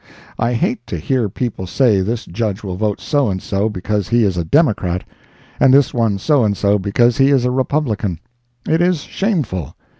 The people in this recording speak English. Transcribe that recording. I hate to hear people say this Judge will vote so and so, because he is a Democrat—and this one so and so because he is a Republican. It is shameful.